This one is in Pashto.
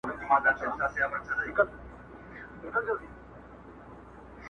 خونه له شنو لوګیو ډکه ده څه نه ښکاریږي!!